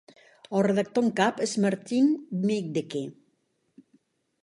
El redactor en cap és Martin Middeke.